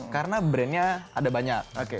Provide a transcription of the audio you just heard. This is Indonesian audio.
karena brand nya ada banyak